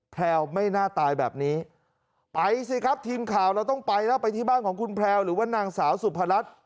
ไปสิครับทีมข่าวเราต้องไปแล้วไปที่บ้านของคุณแพร่วหรือว่านางสาวสุภรรัฐ